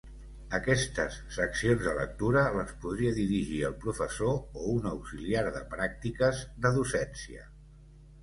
Aquestes seccions de lectura les podria dirigir el professor o un auxiliar de pràctiques de docència.